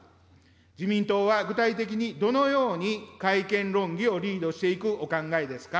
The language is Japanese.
自民党は具体的にどのように改憲論議をリードしていくお考えですか。